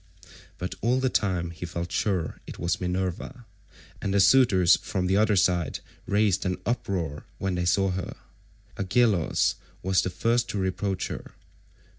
But all the time he felt sure it was Minerva, and the suitors from the other side raised an uproar when they saw her. Agelaus was the first to reproach her.